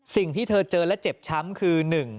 สิ่งที่เธอเจอและเจ็บช้ำคือ